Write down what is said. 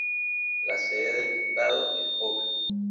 La sede de condado es Homer.